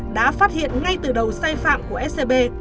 đã phát hiện ngay từ đầu sai phạm của scb